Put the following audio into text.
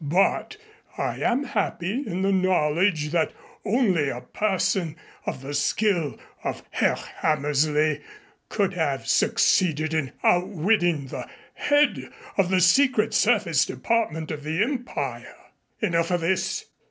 But I am happy in the knowledge that only a person of the skill of Herr Hammersley could have succeeded in outwitting the head of the Secret Service Department of the Empire." "Enough of this!"